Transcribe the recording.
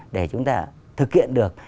để chúng ta thực hiện được